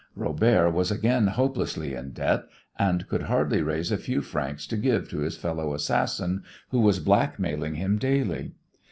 Robert was again hopelessly in debt, and could hardly raise a few francs to give to his fellow assassin, who was blackmailing him daily.